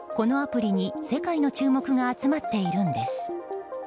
今、このアプリに世界の注目が集まっているんです。